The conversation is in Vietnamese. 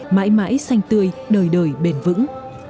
mãi mãi xanh tươi đời đời bền vững